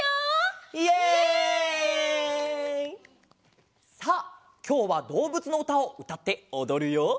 イエイ！さあきょうはどうぶつのうたをうたっておどるよ。